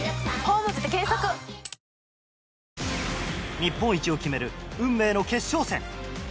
日本一を決める運命の決勝戦。